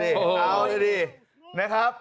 เอาเลยดิ